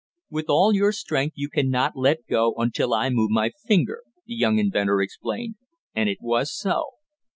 "With all your strength you can not let go until I move my finger," the young inventor explained, and it was so.